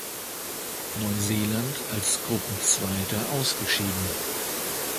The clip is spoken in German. Neuseeland als Gruppenzweiter ausgeschieden.